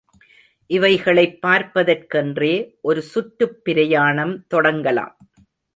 இவைகளைப் பார்ப்பதற்கென்றே ஒரு சுற்றுப் பிரயாணம் தொடங்கலாம்.